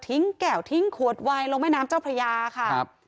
ทิ้งแก่วทิ้งขวดไวลงแม่น้ำเจ้าพระยาค่ะ